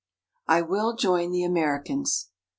I WILL JOIN THE AMERICANS!